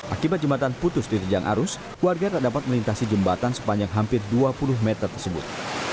akibat jembatan putus diterjang arus warga tak dapat melintasi jembatan sepanjang hampir dua puluh meter tersebut